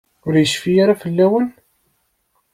Ur yecfi ara fell-awen?